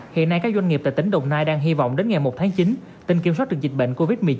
hiện nay các doanh nghiệp tại tỉnh đồng nai đang hy vọng đến ngày một tháng chín tình kiểm soát được dịch bệnh covid một mươi chín